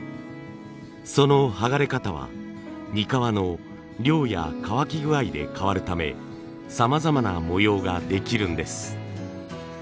その剥がれ方はにかわの量や乾き具合で変わるためさまざまな模様ができるんです。